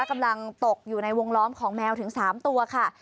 กำลังตกอยู่ในวงล้อมของแมวถึง๓ตัวค่ะ